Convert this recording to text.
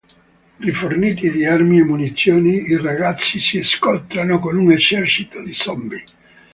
Riforniti di armi e munizioni, i ragazzi si scontrano con un esercito di zombie.